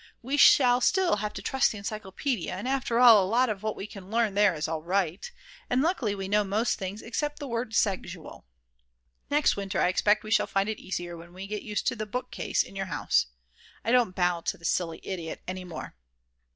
We shall still have to trust to the encyclopedia, and after all a lot of what we can learn there is all right, and luckily we know most things except the word segsual. Next winter I expect we shall find it easier than we used to to get to the bookcase in your house. I don't bow to the silly idiot any more.